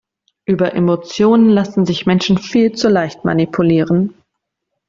Über Emotionen lassen sich Menschen viel zu leicht manipulieren.